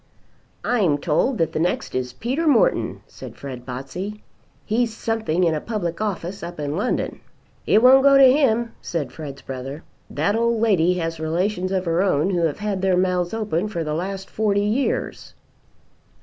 "I'm told that the next is Peter Morton," said Fred Botsey. "He's something in a public office up in London." "It won't go to him," said Fred's brother. "That old lady has relations of her own who have had their mouths open for the last forty years."